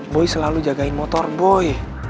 boy selalu jagain motor boy